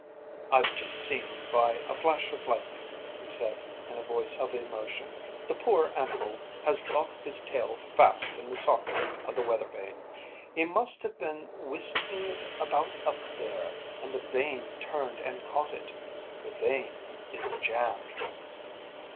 "I've just seen by a flash of lightning," he said in a voice of emotion. "The poor animal has got his tail fast in the socket of the weather vane. He must have been whisking it about up there, and the vane turned and caught it. The vane is jammed."